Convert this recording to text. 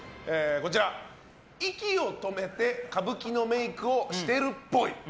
息を止めて歌舞伎のメイクをしてるっぽい。